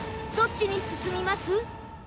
どっちに進みます？